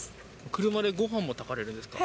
車でごはんも炊かれるんですか。